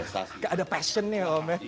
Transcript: enggak ada passionnya om ya